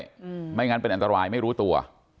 ไม่งั้นเป็นอันตรายไม่รู้ตัว